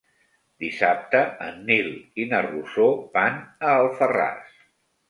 Dissabte en Nil i na Rosó van a Alfarràs.